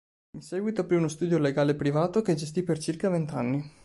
In seguito aprì uno studio legale privato che gestì per circa vent'anni.